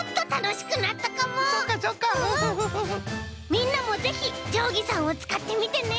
みんなもぜひじょうぎさんをつかってみてね！